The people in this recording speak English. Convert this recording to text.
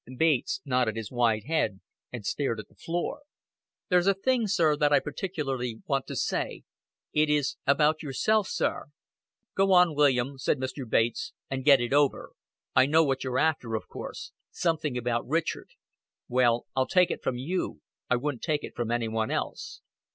Bates nodded his white head and stared at the floor. "There's a thing, sir, that I particularly want to say. It is about yourself, sir " "Go on, William," said Mr. Bates, "and get it over. I know what you're after, of course something about Richard. Well, I'll take it from you. I wouldn't take it from any one else."